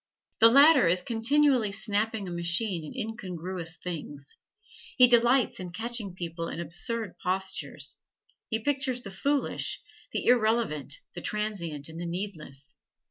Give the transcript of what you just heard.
The latter is continually snapping a machine at incongruous things; he delights in catching people in absurd postures; he pictures the foolish, the irrelevant, the transient and the needless.